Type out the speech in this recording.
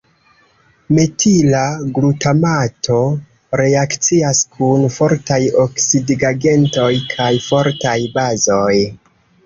Metila glutamato reakcias kun fortaj oksidigagentoj kaj fortaj bazoj.